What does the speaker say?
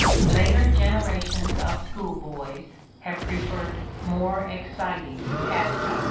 Later generations of schoolboys have preferred more exciting pastimes.